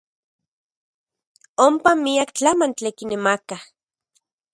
Onpa miak tlamantli kinemakaj.